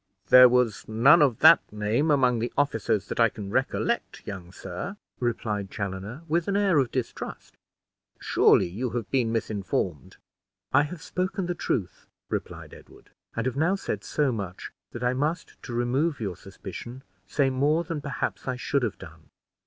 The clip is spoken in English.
"There was none of that name among the officers that I can recollect, young sir," replied Chaloner, with an air of distrust. "Surely you have been misinformed." "I have spoken the truth," replied Edward; "and have now said so much that I must, to remove your suspicion say more than perhaps I should have done.